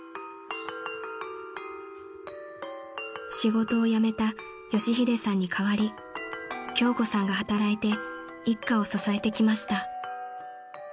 ［仕事を辞めた佳秀さんに代わり京子さんが働いて一家を支えてきました］